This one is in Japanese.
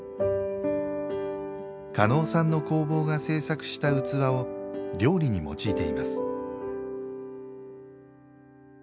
叶さんの工房が制作した器を料理に用いています。